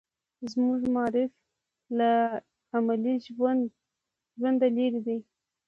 زموږ معارف له عملي ژونده لرې دی.